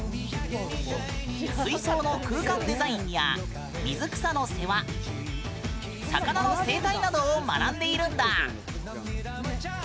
水槽の空間デザインや水草の世話魚の生態などを学んでいるんだ。